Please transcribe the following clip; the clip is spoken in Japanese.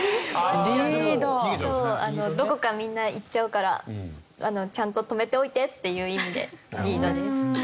どこかみんな行っちゃうからちゃんと止めておいてっていう意味でリードです。